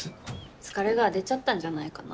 疲れが出ちゃったんじゃないかな。